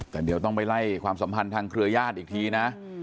แต่เดี๋ยวต้องไปไล่ความสัมพันธ์ทางเครือญาติอีกทีนะ